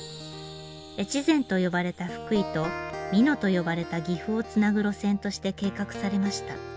越前と呼ばれた福井と美濃と呼ばれた岐阜をつなぐ路線として計画されました。